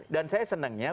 dan saya senangnya